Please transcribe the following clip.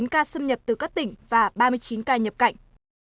một trăm năm mươi chín ca xâm nhập từ các tỉnh và ba mươi chín ca nhập cạnh